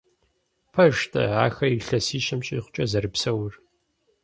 Пэж-тӏэ ахэр илъэсищэм щӏигъукӏэ зэрыпсэур?